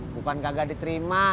bukan kagak diterima